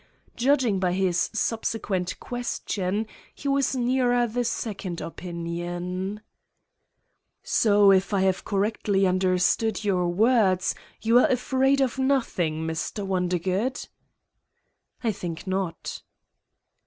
Judging by his subsequent question he was nearer the second opinion : "So, if I have correctly understood your words, you are afraid of nothing, Mr. Wondergood?" "I think not."